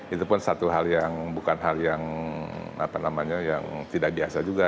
itu pun satu hal yang bukan hal yang apa namanya yang tidak biasa juga